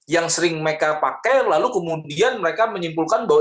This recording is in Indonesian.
yang sering mereka pakai lalu kemudian mereka menyimpulkan bahwa